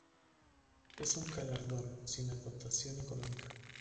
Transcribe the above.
Es un galardón sin dotación económica.